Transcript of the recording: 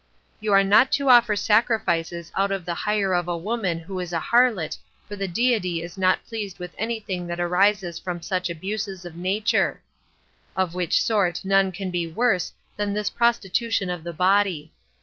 9. You are not to offer sacrifices out of the hire of a woman who is a harlot 17 for the Deity is not pleased with any thing that arises from such abuses of nature; of which sort none can be worse than this prostitution of the body.